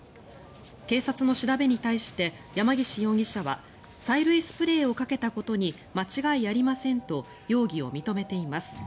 警察の調べに対して山岸容疑者は催涙スプレーをかけたことに間違いありませんと容疑を認めています。